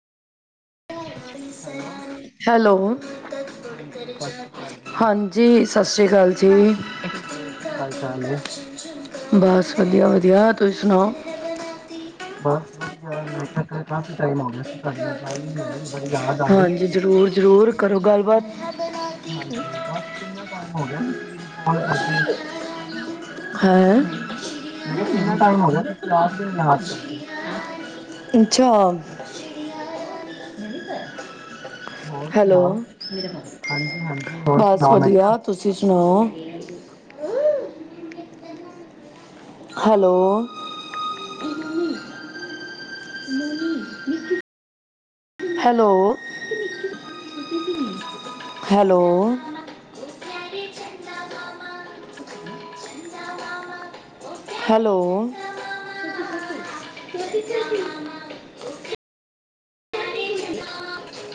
Hello hello, ਹਾਂਜੀ ਸਤਿ ਸ੍ਰੀ ਅਕਾਲ ਜੀ ਹਾਂਜੀ, ਸਤਿ ਸ੍ਰੀ ਅਕਾਲ ਜੀ, ਹੋਰ ਕੀ ਹਾਲ ਚਾਲ ਹੈ ਬਸ ਵਧੀਆ ਵ। ਵਿਧਿਆ, ਤੁਸੀਂ ਸੁਣਾਓ? ਬਸ ਵਧੀਆ, ਮੈਂ ਕਿਹਾ ਕਾਫੀ ਟਾਈਮ ਗਿਆ ਸੀ ਤੁਹਾਡੇ ਨਾਲ ਗੱਲ ਹੀ ਨੀ ਹੋਈ। ਬੜੀ ਯਾਦ ਆ ਰਹੀ ਹਾਂਜੀ ਸੀ, ਜ਼ਰੂਰ ਜ਼ਰੂਰ ਕਰੋ ਗੱਲਬਾਤ ਹਾਂਜੀ ਬਸ ਕਿੰਨਾ ਟਾਈ ਹੋ ਗਿਆ ਤੁਸੀਂ ਵੀ ਨੀ ਫੋਨ ਕਰਦੇ ਹੈਂ ਮੈਂ ਕਿਹਾ ਕਿੰਨਾ ਟਾਈਮ ਹੋ ਰਿਹਾ ਤੁਸੀਂ ਆਪ ਹੀ ਨ ਯਾਦ ਕਰਦੇ। ਅੱਛਾ [inaudible] ਹੋਰ ਹੈਲੋ, ਸੁਣਾਓ ਹਾਂਜੀ ਹਾਂਜੀ ਹੋਰ ਬਸ ਸੁਣਾਓ ਮੈਂ ਕਿਹਾ ਵਧੀਆ ਤੁਸੀਂ ਸੁਣਾਓ। ਹੈਲੋ। Hello, hello. ਹੈਲੋ